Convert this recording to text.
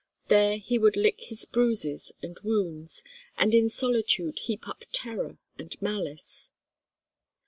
There he would lick his bruises and wounds, and in solitude heap up terror and malice.